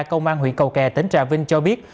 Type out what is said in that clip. công an huyện cầu kè tỉnh trà vinh cho biết